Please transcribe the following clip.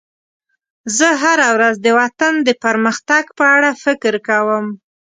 زه هره ورځ د وطن د پرمختګ په اړه فکر کوم.